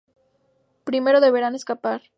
Primero deberán escapar.